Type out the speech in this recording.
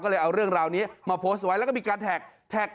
ก็เลยเอาเรื่องราวนี้มาโพสต์ไว้แล้วก็มีการแท็ก